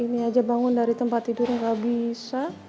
ini aja bangun dari tempat tidur nggak bisa